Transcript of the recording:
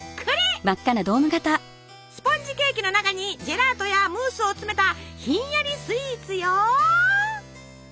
スポンジケーキの中にジェラートやムースを詰めたひんやりスイーツよ！